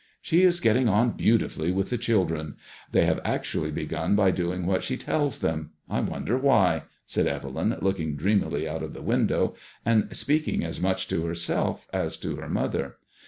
" She is getting on beautifully with the children. They have actually begun by doing what she tells them ; I wonder why? " said Evelyn, looking dreamily out of the window, and speaking as much to herself as to her mother.